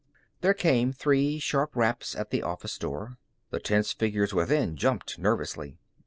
There came three sharp raps at the office door. The tense figures within jumped nervously.